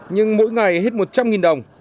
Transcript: nhưng mỗi ngày hết một trăm linh đồng